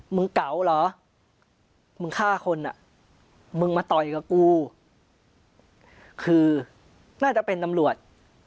เก๋าเหรอมึงฆ่าคนอ่ะมึงมาต่อยกับกูคือน่าจะเป็นตำรวจ